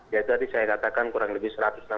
jadi saya katakan kurang lebih satu ratus enam puluh tiga